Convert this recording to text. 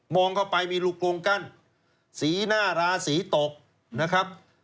เข้าไปมีลูกกลงกั้นสีหน้าราศีตกนะครับ